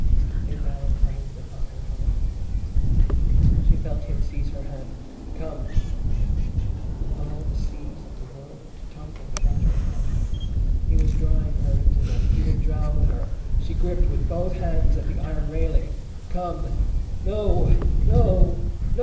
A bell clanged upon her heart. She felt him seize her hand: "Come!" All the seas of the world tumbled about her heart. He was drawing her into them: he would drown her. She gripped with both hands at the iron railing. "Come!" No! No! No!